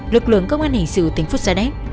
lực lượng công an hình sự tỉnh phu sa đéc